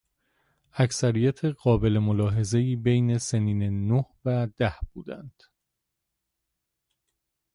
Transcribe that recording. اکثریت قابل ملاحظهای بین سنین نه و ده بودند.